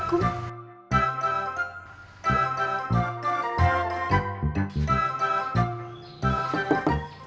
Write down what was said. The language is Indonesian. jalan sama cewek secantik aku